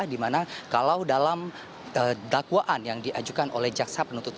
di mana kalau dalam dakwaan yang diajukan oleh jaksa penuntut